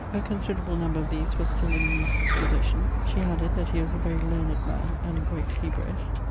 A considerable number of these were still in the niece's possession. She added, that he was a very learned man and a great Hebraist.